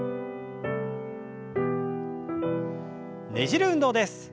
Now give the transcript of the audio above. ねじる運動です。